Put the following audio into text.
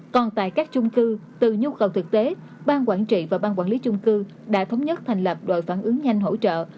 còn tại các chung cư từ nhu cầu thực tế bang quản trị và ban quản lý chung cư đã thống nhất thành lập đội phản ứng nhanh hỗ trợ